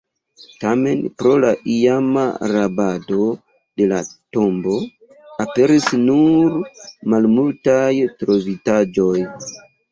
Tamen, pro la iama rabado de la tombo, aperis nur malmultaj trovitaĵoj.